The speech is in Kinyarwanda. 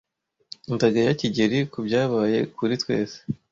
Ndagaya kigeli kubyabaye kuri twese.